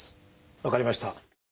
分かりました。